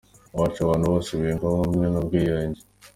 Iwacu abantu bose biyumvamo ubumwe n’ubwiyunge.